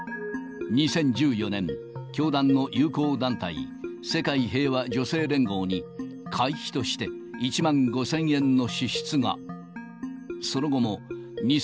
２０１４年、教団の友好団体、世界平和女性連合に会費として、１万５０００円の支出が。